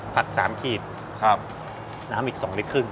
สามขีดน้ำอีก๒ลิตรครึ่ง